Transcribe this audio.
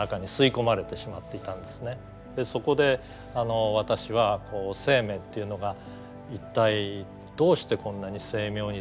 そこで私は生命っていうのが一体どうしてこんなに精妙にできているんだろう。